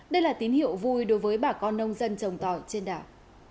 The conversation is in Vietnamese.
đây là tín hiệu vui đối với bà con nông dân trồng tỏi trên đảo